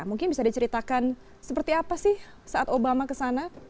mungkin bisa diceritakan seperti apa sih saat obama ke sana